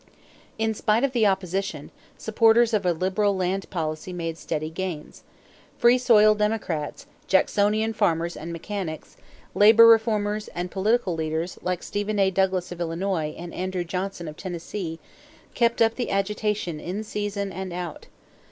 In spite of the opposition, supporters of a liberal land policy made steady gains. Free soil Democrats, Jacksonian farmers and mechanics, labor reformers, and political leaders, like Stephen A. Douglas of Illinois and Andrew Johnson of Tennessee, kept up the agitation in season and out.